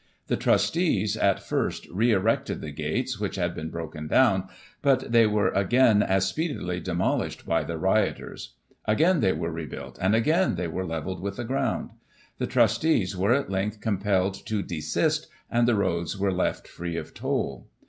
The trustees, at first, re erected the gates which had been broken down, but they were again as speedily demolished by the rioters ; again they were rebuilt, and again they were levelled with the ground. The trustees were, at length, compelled to desist, and the roads were left free of toll.